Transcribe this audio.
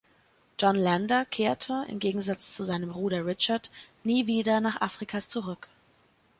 John Lander kehrte, im Gegensatz zu seinem Bruder Richard, nie wieder nach Afrika zurück.